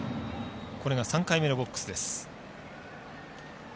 これが３回目のボックスです。